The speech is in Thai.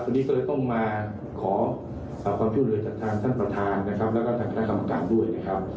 วันนี้ก็เลยต้องมาขอความช่วยเหลือจากทางท่านประธานนะครับแล้วก็ทางคณะกรรมการด้วยนะครับ